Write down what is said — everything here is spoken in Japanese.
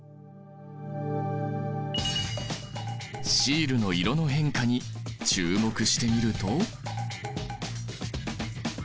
シールの色の変化に注目してみると？